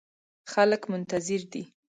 خلګ منتظر دي